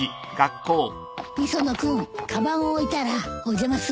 磯野君かばんを置いたらお邪魔するわ。